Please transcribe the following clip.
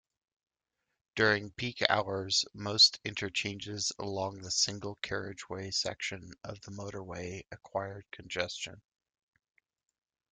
During peak hours, most interchanges along the single-carriageway section of the Motorway acquire congestion.